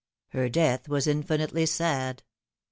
" Her death was infinitely sad."